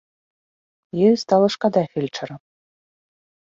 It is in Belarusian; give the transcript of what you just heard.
Ёй стала шкада фельчара.